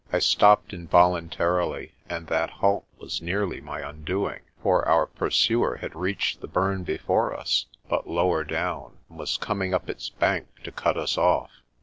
I stopped involuntarily, and that halt was nearly my undoing. For our pursuer had reached the burn before us, but lower down, and was coming up its bank to cut us off.